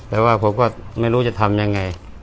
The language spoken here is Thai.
แต่ว่าผมก็ไม่รู้จะทำยังไง